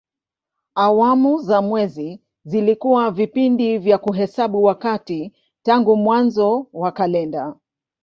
Awamu za mwezi zilikuwa vipindi vya kuhesabu wakati tangu mwanzo wa kalenda.